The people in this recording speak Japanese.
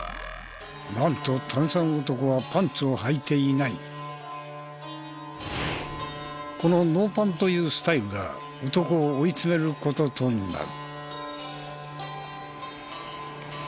なんと炭酸男はこのノーパンというスタイルが男を追い詰める事となる。